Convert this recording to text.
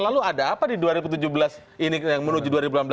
lalu ada apa di dua ribu tujuh belas ini yang menuju dua ribu delapan belas